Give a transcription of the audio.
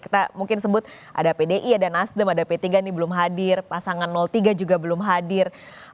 kita mungkin sebut ada pdi ada nasdem ada p tiga ini belum hadir pasangan tiga juga belum hadir